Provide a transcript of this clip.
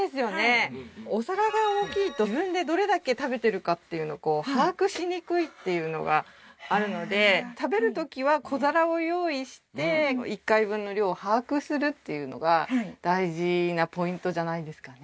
はいお皿が大きいと自分でどれだけ食べてるかっていうの把握しにくいっていうのがあるので食べる時は小皿を用意して１回分の量を把握するっていうのが大事なポイントじゃないですかね